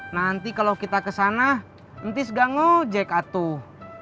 nanti kalau kita kesana nanti gak mau jek atuh